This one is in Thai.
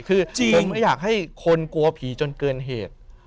คือจริงไม่อยากให้คนกลัวผีจนเกินเหตุ